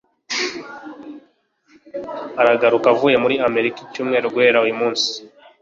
aragaruka avuye muri amerika icyumweru guhera uyu munsi